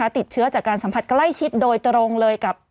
ติดเชื้อจากการสัมผัสใกล้ชิดโดยตรงเลยกับ